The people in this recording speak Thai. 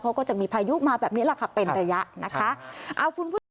เขาก็จะมีพายุมาแบบนี้แหละค่ะเป็นระยะนะคะ